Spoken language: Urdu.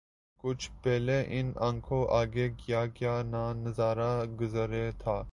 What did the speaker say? کچھ پہلے ان آنکھوں آگے کیا کیا نہ نظارا گزرے تھا